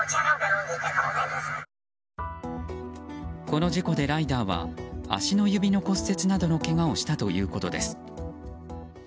この事故でライダーは足の指の骨折などのけがをしたということです。